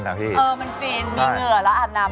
มีเหงื่อแล้วอาบน้ำมันฟิน